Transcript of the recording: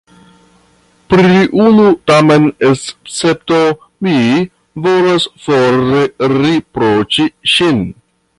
Pri unu tamen escepto mi volas forte riproĉi ŝin.